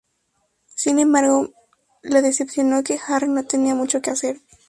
Sin embargo, le decepcionó que Harry no tenía mucho que hacer.